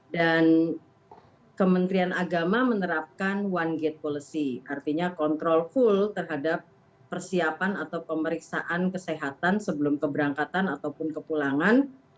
dan kementerian agama menerapkan one gate policy artinya control full terhadap persiapan atau pemeriksaan kesehatan sebelum keberangkatan ataupun ke pulangan